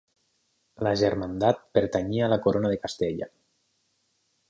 La germandat pertanyia a la Corona de Castella.